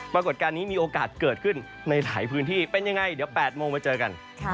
ปรากฏการณ์นี้มีโอกาสเกิดขึ้นในหลายพื้นที่เป็นยังไงเดี๋ยว๘โมงมาเจอกัน